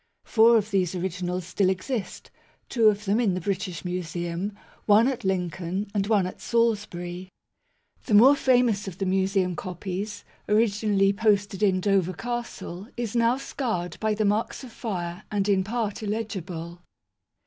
Four of these originals still exist, two of them in the British Museum, one at Lincoln, and one at Salisbury. The more famous of the Museum copies, originally deposited in Dover Castle, is now scarred by the marks of fire and in part illegible.